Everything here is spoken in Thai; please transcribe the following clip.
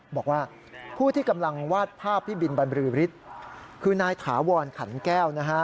บอกว่าผู้ที่กำลังวาดภาพพี่บินบรรลือฤทธิ์คือนายถาวรขันแก้วนะฮะ